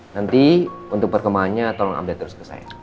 nanti untuk perkembangannya tolong update terus ke saya